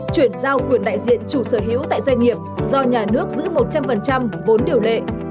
chuyển giao quyền đại diện chủ sở hữu tại doanh nghiệp do nhà nước giữ một trăm linh vốn điều lệ